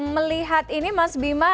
melihat ini mas bima